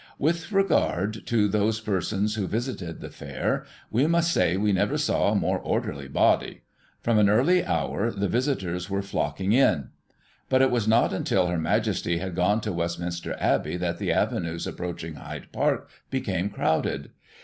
"With regard to those persons who visited the fair, we must say we never saw a more orderly body. From an early hour the visitors were flocking in ; but it was not until Her Majesty had gone to Westminster Abbey that the avenues approaching Hyde Park became crowded.